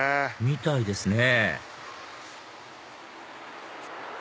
みたいですね